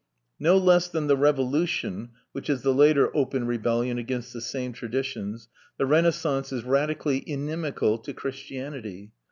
No less than the Revolution (which is the later open rebellion against the same traditions) the Renaissance is radically inimical to Christianity.